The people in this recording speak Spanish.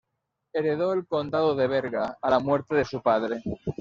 Heredó el condado de Berga a la muerte de su padre.